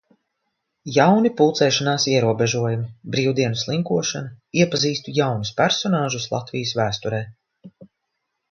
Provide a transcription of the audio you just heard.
Jauni pulcēšanās ierobežojumi. Brīvdienu slinkošana. Iepazīstu jaunus personāžus Latvijas vēsturē.